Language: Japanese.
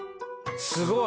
すごい。